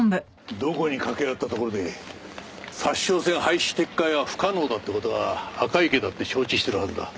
どこに掛け合ったところで札沼線廃止撤回は不可能だって事は赤池だって承知してるはずだ。